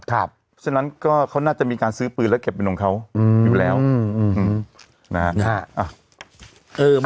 ครับเพราะฉะนั้นก็เขาน่าจะมีการซื้อปืนและเก็บไปโรงเขาอืมอยู่แล้วอืมอืมนะฮะ